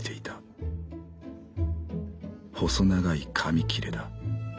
細長い紙きれだ。